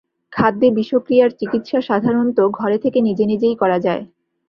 খাদ্যে বিষক্রিয়ার চিকিৎসা সাধারণত ঘরে থেকে নিজে নিজেই করা যায়।